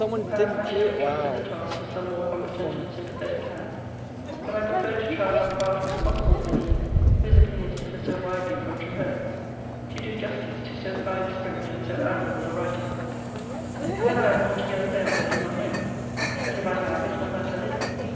Perhaps I should have entrusted the task to some more com petent and sympathetic hand ; but I preferred to try how far it was possible for me, whose opinions differ so widely from Traherne's, to do justice to so fine a spirit and so admirable a writer, "Whether I have alto gether failed I do not know : but if I have, it will matter little.